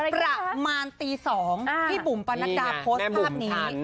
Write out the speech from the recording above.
ประมาณตี๒พี่บุ๋มปนัดดาโพสต์ภาพนี้